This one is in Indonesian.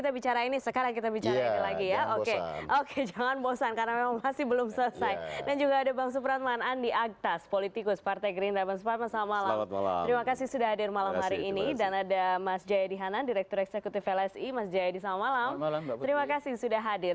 terima kasih sudah hadir